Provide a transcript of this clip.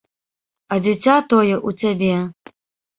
А дзіця тое ў цябе!